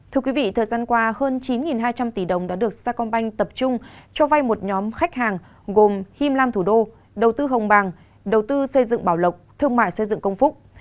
thưa quý vị thời gian qua hơn chín hai trăm linh tỷ đồng đã được sacombank tập trung cho vay một nhóm khách hàng gồm him lam thủ đô đầu tư hồng bàng đầu tư xây dựng bảo lộc thương mại xây dựng công phúc